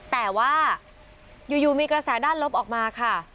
แต่ว่าอยู่มีกระแสด้านลบออกมาค่ะ